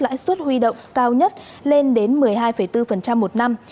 lãi suất huy động cao nhất lên đến một mươi hai bốn một năm